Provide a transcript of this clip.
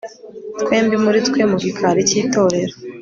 twembi muri twe mu gikari cy'itorero